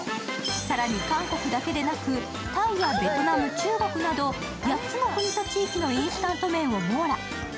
更に韓国だけでなくタイやベトナム、中国など８つの国と地域のインスタント麺を網羅。